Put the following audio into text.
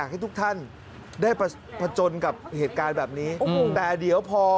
จะต้องต้องทำอย่างไร